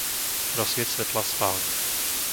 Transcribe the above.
Rozsvieť svetlá v spálni.